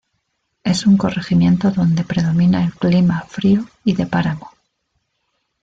Es un corregimiento donde predomina el clima frío y de páramo.